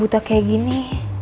gue udah kayak gini